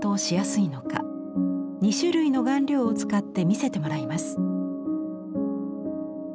２種類の顔料を使って見せてもらいます。